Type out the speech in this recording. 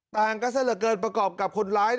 ต่างกันซะเหลือเกินประกอบกับคนร้าย